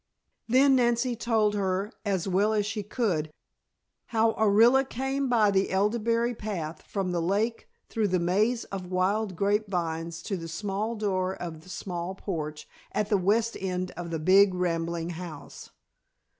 Then Nancy told her, as well as she could, how Orilla came by the elderberry path, from the lake, through the maze of wild grape vines to the small door of the small porch at the west end of the big rambling house.